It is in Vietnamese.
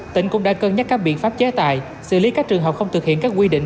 tỉnh cũng đã cân nhắc các biện pháp chế tài xử lý các trường hợp không thực hiện các quy định